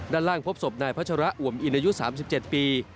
ด้านล่างพบศพนายพัชระอ่วมอินอายุ๓๗ปี